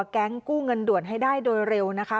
แก๊งกู้เงินด่วนให้ได้โดยเร็วนะคะ